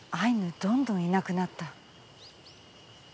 どんどんいなくなった。